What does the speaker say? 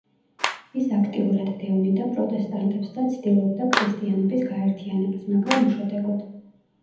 ის აქტიურად დევნიდა პროტესტანტებს და ცდილობდა ქრისტიანობის გაერთიანებას, მაგრამ უშედეგოდ.